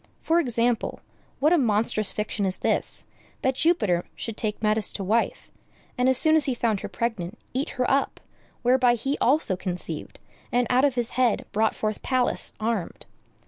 For example, what a monstrous fiction is this, that Jupiter should take Metis to wife, and as soon as he found her pregnant eat her up, whereby he also conceived, and out of his head brought forth Pallas armed.